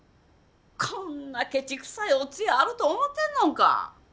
こんなけちくさいお通夜あると思てんのんか。